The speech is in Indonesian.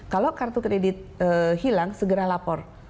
kalau kartu kredit hilang segera lapor